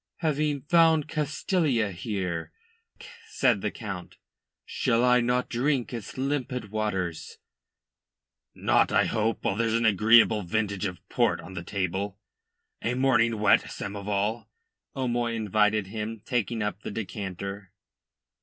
"Having found Castalia here," said, the Count, "shall I not drink its limpid waters?" "Not, I hope, while there's an agreeable vintage of Port on the table. A morning whet, Samoval?" O'Moy invited him, taking up the decanter.